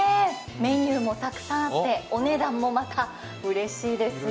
メニューもたくさんあって、お値段もまたうれしいですね。